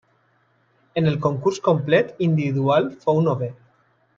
En el concurs complet individual fou novè.